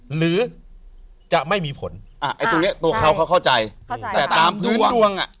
หรือจะไม่มีผลตัวเขาเข้าใจแต่ตามพื้นดวง